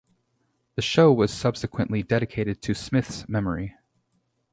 The show was subsequently dedicated to Smith's memory.